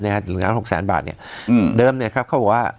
เนี้ยฮะหนึ่งล้านหกแสนบาทเนี้ยอืมเดิมเนี้ยครับเขาบอกว่า